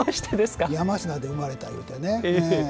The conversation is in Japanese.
山科で生まれたってね。